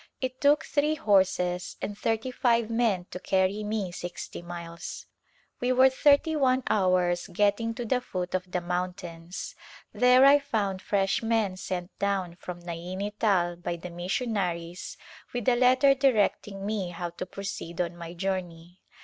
It took three horses and thirty five men to carry me sixty miles. We were thirty one hours getting to the foot of the mountains. There I found fresh men sent down from Naini Tal by the missionaries with a letter directing me how to proceed on my journey.